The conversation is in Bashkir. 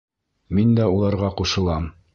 Мин дә уларға ҡушылам.